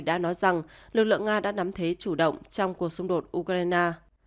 đã nói rằng lực lượng nga đã nắm thế chủ động trong cuộc xung đột ukraine